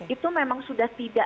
itu memang sudah tidak